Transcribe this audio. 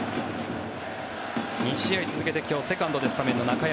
２試合続けてセカンドでスタメンの中山